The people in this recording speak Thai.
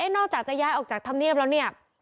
นอกจากจะย้ายออกจากธรรมเนียบแล้วเนี่ย